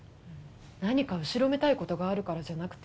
何か後ろめたい事があるからじゃなくて？